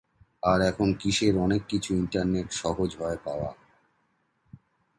আর এখন কিসের অনেক কিছু ইন্টারনেট সহজ হয় পাওয়া?